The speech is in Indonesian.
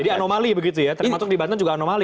jadi anomali begitu ya terima kasih di banten juga anomali